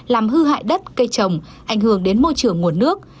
làm hư hại đất cây trồng ảnh hưởng đến môi trường nguồn nước